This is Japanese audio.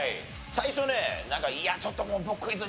最初ねいやちょっともう僕クイズ